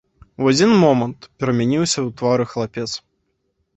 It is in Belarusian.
У адзін момант перамяніўся ў твары хлапец.